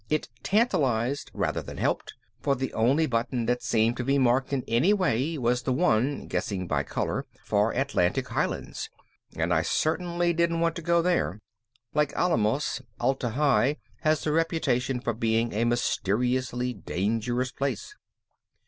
It tantalized rather than helped, for the only button that seemed to be marked in any way was the one (guessing by color) for Atlantic Highlands, and I certainly didn't want to go there. Like Alamos, Atla Hi has the reputation for being a mysteriously dangerous place.